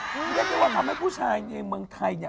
เรียกได้ว่าทำให้ผู้ชายในเมืองไทยเนี่ย